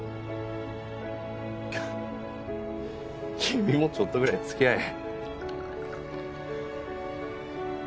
君もちょっとぐらい付き合え。